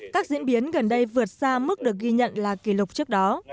các diễn biến gần đây vượt xa mức được ghi nhận là kỷ lục trước đó